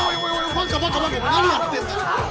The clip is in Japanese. バカバカバカお前何やってんだよ